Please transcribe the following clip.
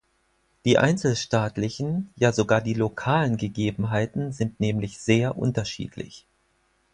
Die einzelstaatlichen, ja sogar die lokalen Gegebenheiten sind nämlich sehr unterschiedlich.